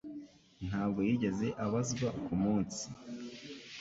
Ntabwo yigeze abazwa ku munsi.